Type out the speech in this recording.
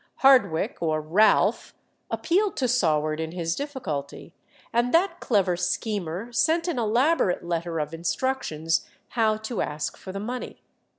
Hardwicke, or "Ralph," appealed to Saward in his difficulty, and that clever schemer sent an elaborate letter of instructions how to ask for the money.